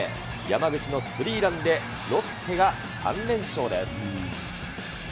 山口のスリーランで、ロッテが３連勝です。